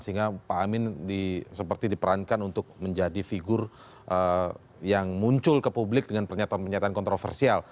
sehingga pak amin seperti diperankan untuk menjadi figur yang muncul ke publik dengan pernyataan pernyataan kontroversial